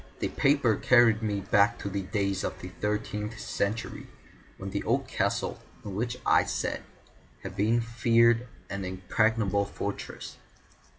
The paper carried me back to the days of the thirteenth century, when the old castle in which I sat had been a feared and impregnable fortress.